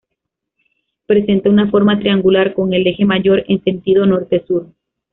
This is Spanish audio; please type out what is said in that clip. Presenta una forma triangular con el eje mayor en sentido norte-sur.